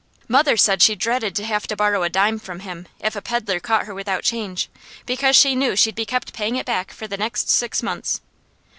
Mother said she dreaded to have to borrow a dime from him, if a peddler caught her without change, because she knew she'd be kept paying it back for the next six months.